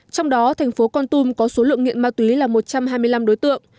trong đó thành phố con tum có số lượng nghiện ma túy là một trăm hai mươi năm đối tượng